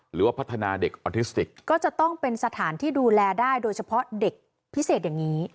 หรือว่าพัฒนาเด็กออทิสติกก็จะต้องเป็นสถานที่ดูแลได้โดยเฉพาะเด็กพิเศษอย่างนี้